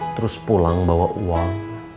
terus pulang bawa uang